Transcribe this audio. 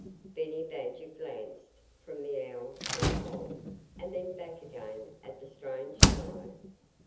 Benny Badger glanced from the owl to the hole, and then back again at the strange fellow.